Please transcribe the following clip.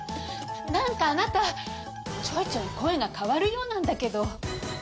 なんかあなたちょいちょい声が変わるようなんだけど。